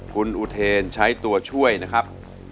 คุณอุเทนใช้ตัวช่วยนะครับ